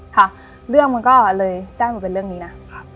ค่ะเรื่องมันก็เลยได้มาเป็นเรื่องนี้นะ